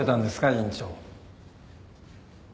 院長。